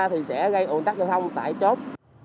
thì sẽ gây ổn tắc giao thông tại chốt